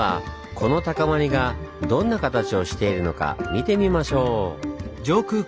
この高まりがどんな形をしているのか見てみましょう！